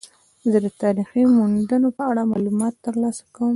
زه د تاریخي موندنو په اړه معلومات ترلاسه کوم.